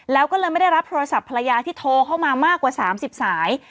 แล้วก็เลยไม่ได้รับโทรศัพท์ภรรยาที่โทรเข้ามามากกว่า๓๐สาย